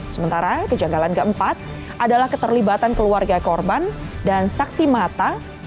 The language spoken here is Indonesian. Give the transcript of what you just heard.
sementara kejanggalan keempat adalah keterlibatan keluarga korban dan saksi mata